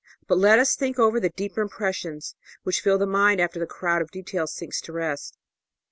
But let us think over the deeper impressions which fill the mind after the crowd of details sinks to rest.